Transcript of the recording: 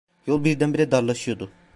Yol birdenbire darlaşıyordu.